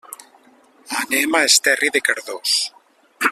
Anem a Esterri de Cardós.